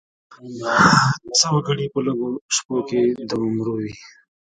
څه وګړي په لږو شپو کې د عمرو وي.